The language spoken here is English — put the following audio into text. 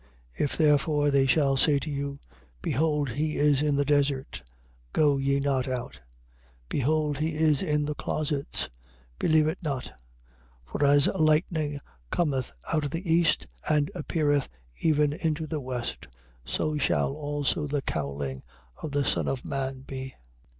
24:26. If therefore they shall say to you, Behold he is in the desert: go ye not out. Behold he is in the closets: believe it not. 24:27. For as lightning cometh out of the east and appeareth even into the west: so shall also the cowling of the Son of man be.